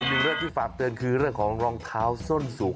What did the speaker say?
หนึ่งเรื่องที่ฝากเตือนคือเรื่องของรองเท้าส้นสุก